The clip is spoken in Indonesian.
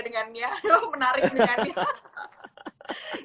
dengannya menarik dengannya